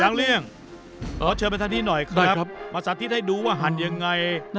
เลี่ยงเชิญไปท่านนี้หน่อยครับมาสาธิตให้ดูว่าหั่นยังไง